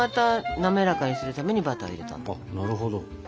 なるほど。